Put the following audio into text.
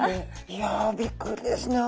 いやびっくりですね。